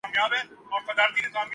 ماحول کو گرم رکھنے کے لئے